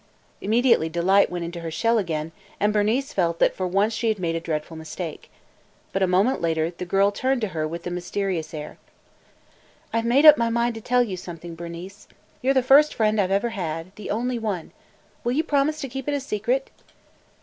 Immediately Delight went into her shell again, and Bernice felt that for once she had made a dreadful mistake. But a moment later, the girl turned to her with a mysterious air. "I 've made up my mind to tell you something, Bernice. You are the first friend I 've ever had – the only one. Will you promise to keep it a secret?"